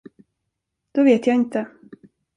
Då vet jag inte.